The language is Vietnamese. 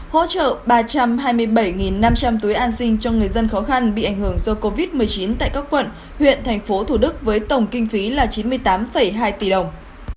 hỗ trợ ba trăm hai mươi bảy năm trăm linh túi an sinh cho người dân khó khăn bị ảnh hưởng do covid một mươi chín tại các quận huyện thành phố thủ đức với tổng kinh phí là chín mươi tám hai tỷ đồng